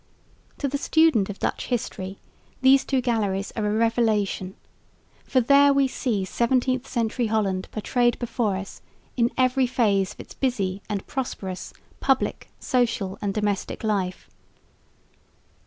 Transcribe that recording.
To the student of Dutch history these two galleries are a revelation, for there we see 17th century Holland portrayed before us in every phase of its busy and prosperous public, social and domestic life.